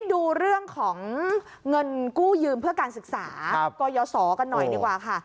ดูเรื่องของเงินกู้ยืมเพื่อการศึกษากยศกันหน่อยดีกว่าค่ะ